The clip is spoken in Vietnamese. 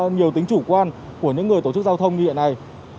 nhiều tính chủ quan của những người tổ chức giao thông như hiện nay